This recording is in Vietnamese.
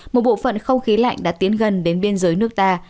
một bộ phận không khí lạnh đã tiến gần đến biên giới nước ta